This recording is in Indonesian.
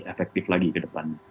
efektif lagi ke depannya